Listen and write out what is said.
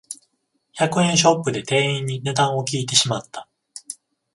百円ショップで店員に値段を聞いてしまった